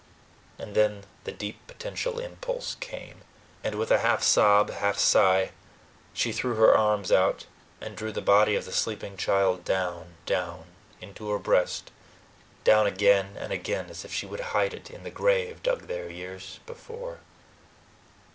And then the deep potential impulse came, and with a half sob, half sigh, she threw her arms out and drew the body of the sleeping child down, down, into her breast, down again and again as if she would hide it in the grave dug there years before.